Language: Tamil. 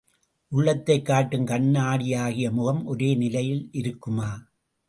உள்ளத்தைக் காட்டும் கண்ணாடியாகிய முகம் ஒரே நிலையில் இருக்குமா?